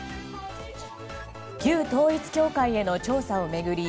旧統一教会への調査を巡り